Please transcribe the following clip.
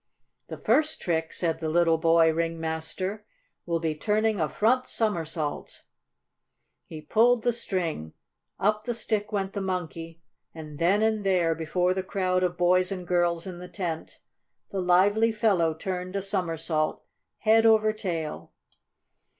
"The first trick," said the little boy ringmaster, "will be turning a front somersault!" He pulled the string, up the stick went the Monkey, and then and there, before the crowd of boys and girls in the tent, the lively fellow turned a somersault head over tail.